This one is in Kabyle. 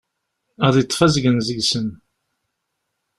Ad yeṭṭef azgen seg-sen.